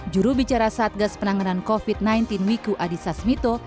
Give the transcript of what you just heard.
jurubicara satgas penanganan covid sembilan belas wiku adhisa smito